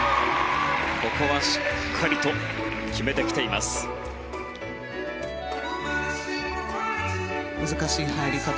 ここはしっかりと決めてきました。